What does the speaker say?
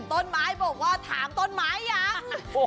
ต้นไม้บอกว่าถามต้นไม้ยัง